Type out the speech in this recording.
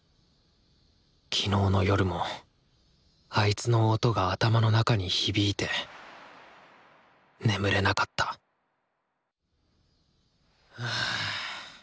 昨日の夜もあいつの音が頭の中に響いて眠れなかったはぁ。